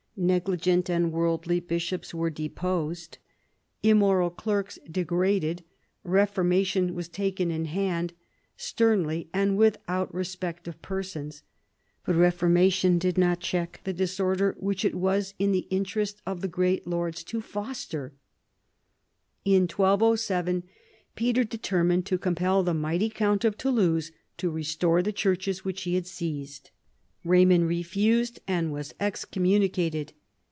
Negligent and worldly bishops were deposed, immoral clerks de graded, reformation was taken in hand sternly and without respect of persons. But reformation did not check the disorder which it was to the interest of the great lords to foster. In 1207 Peter determined to compel the mighty count of Toulouse to restore the churches which he had seized. Eaymond refused and was excommunicated.